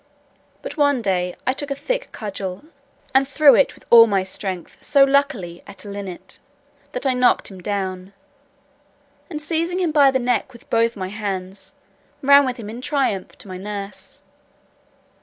But one day, I took a thick cudgel, and threw it with all my strength so luckily, at a linnet, that I knocked him down, and seizing him by the neck with both my hands, ran with him in triumph to my nurse.